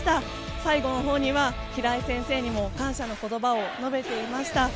最後のほうには平井先生にも感謝の言葉を述べていました。